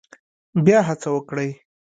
بیا هڅه وکړئ